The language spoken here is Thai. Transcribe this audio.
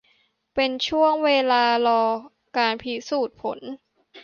เป็นช่วงเวลารอการพิสูจน์ผล